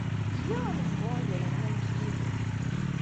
Yya ad nebḍu idirimen-a nekk yid-k.